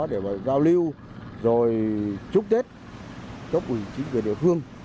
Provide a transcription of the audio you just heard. để giao lưu rồi chúc tết chúc ủy chính quyền địa phương